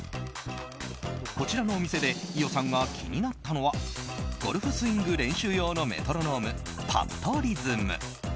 こちらのお店で伊代さんが気になったのはゴルフスイング練習用のメトロノーム、パットリズム。